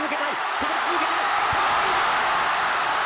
攻め続ける。